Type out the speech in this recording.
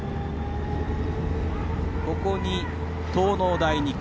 ここに、東農大二高。